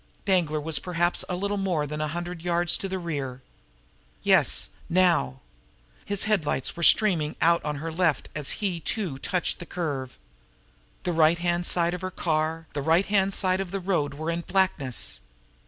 Danglar was perhaps a little more than a hundred yards in the rear. Yes now! His headlights were streaming out on her left as he, too, touched the curve. The right hand side of her car, the right hand side of the road were in blackness.